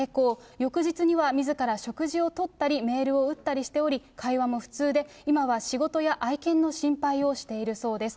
翌日にはみずから食事をとったり、メールを打ったりしており、会話も普通で、今は仕事や愛犬の心配をしているそうです。